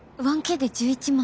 １Ｋで１１万！？